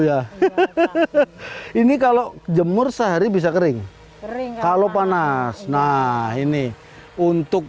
ya ini kalau jemur sehari bisa kering kering kalau panas nah ini untuk